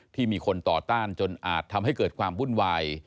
ที่มีคนต่อต้านจนอาจทำให้เกิดความวุ่นวาย